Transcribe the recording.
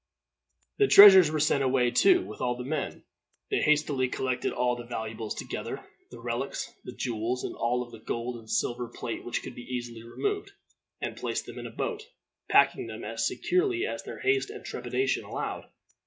The treasures were sent away, too, with all the men. They hastily collected all the valuables together, the relics, the jewels, and all of the gold and silver plate which could be easily removed, and placed them in a boat packing them as securely as their haste and trepidation allowed.